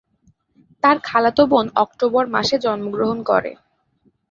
তার খালাতো বোন অক্টোবর মাসে জন্মগ্রহণ করে।